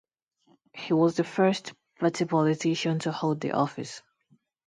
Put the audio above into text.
He was the first party politician to hold the office.